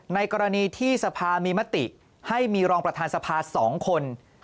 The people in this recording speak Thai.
ในกรณีที่สภามีมติให้มีรองประธานสภา๒คน